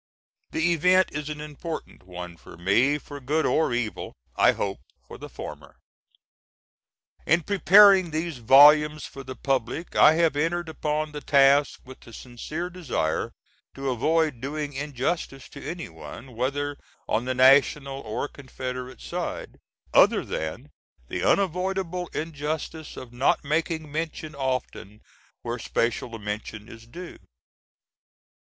The event is an important one for me, for good or evil; I hope for the former. In preparing these volumes for the public, I have entered upon the task with the sincere desire to avoid doing injustice to any one, whether on the National or Confederate side, other than the unavoidable injustice of not making mention often where special mention is due.